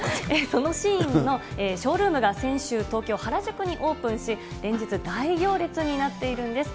そのシーインのショールームが先週、東京・原宿にオープンし、連日、大行列になっているんです。